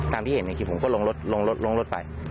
ตามที่เห็นในคลิปผมก็ลงรถลงรถลงรถไป